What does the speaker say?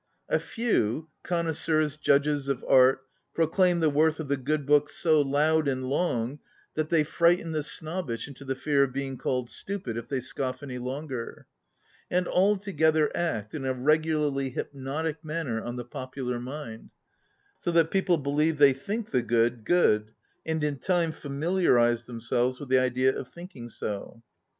A few ŌĆö connois seurs, judges of art ŌĆö proclaim the worth of the good books so loud and long that they frighten the snobbish into the fear of being called stupid if they scoff any longer; and alto gether act in a regularly hypnotic manner on the popular mind, so that people believe they think the good, good, and in time familiarize them selves with the idea of thinking so.